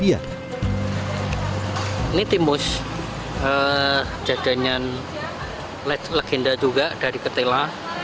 ini timbus jajanan legenda juga dari ketila